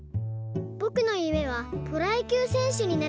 「ぼくのゆめはプロやきゅうせんしゅになることです。